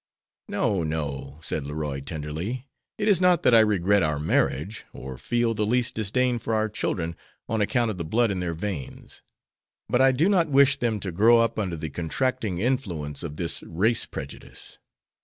"No, no," said Leroy, tenderly, "it is not that I regret our marriage, or feel the least disdain for our children on account of the blood in their veins; but I do not wish them to grow up under the contracting influence of this race prejudice.